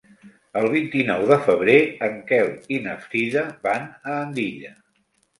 El vint-i-nou de febrer en Quel i na Frida van a Andilla.